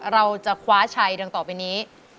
เราจะคว้าชัยดังต่อไปนี้